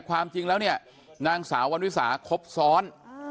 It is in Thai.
ความจริงแล้วเนี่ยนางสาววันวิสาครบซ้อน